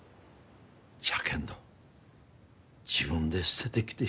じゃけんど自分で捨ててきてしもうたがよ。